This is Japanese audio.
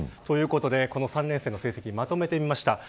この３連戦の成績まとめてみました。